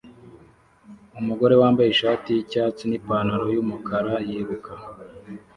Umugore wambaye ishati yicyatsi nipantaro yumukara yiruka